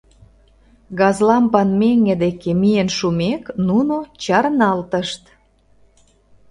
Газлампан меҥге деке миен шумек, нуно чарналтышт.